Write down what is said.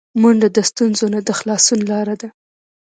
منډه د ستونزو نه د خلاصون لاره ده